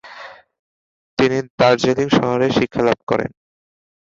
তিনি দার্জিলিং শহরে শিক্ষালাভ করেন।